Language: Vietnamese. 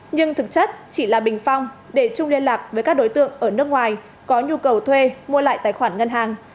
nhưng thực chất chỉ là bình phong để chung liên lạc với các đối tượng ở nước ngoài có nhu cầu thuê mua lại tài khoản ngân hàng